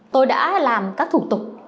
tôi đã làm các thủ tục